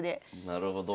なるほど。